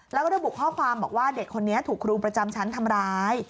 แล้วก็ระบุข้อความบอกว่าเด็กคนนี้ถูกครูประจำชั้นทำร้าย